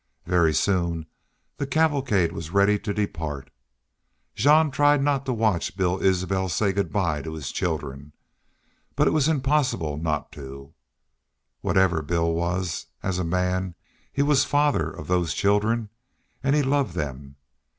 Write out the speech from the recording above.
Very soon the cavalcade was ready to depart. Jean tried not to watch Bill Isbel say good by to his children, but it was impossible not to. Whatever Bill was, as a man, he was father of those children, and he loved them.